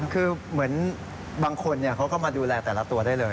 คือเหมือนบางคนเขาก็มาดูแลแต่ละตัวได้เลย